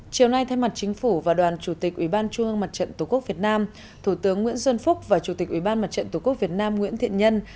chiều nay thay mặt chính phủ và đoàn chủ tịch ủy ban trung ương mặt trận tổ quốc việt nam thủ tướng nguyễn xuân phúc và chủ tịch ủy ban mặt trận tổ quốc việt nam nguyễn thiện nhân